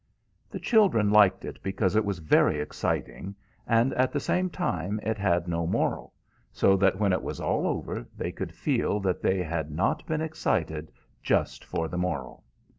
The children liked it because it was very exciting, and at the same time it had no moral, so that when it was all over, they could feel that they had not been excited just for the moral.